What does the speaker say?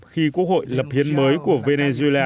khi quốc hội lập hiến mới của venezuela